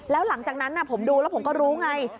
แล้วหลังจากนั้นผมดูแล้วผมก็รู้ไง